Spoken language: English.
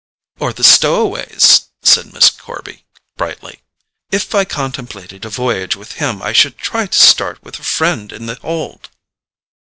"Or the stowaways," said Miss Corby brightly. "If I contemplated a voyage with him I should try to start with a friend in the hold."